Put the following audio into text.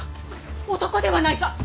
男ではないか！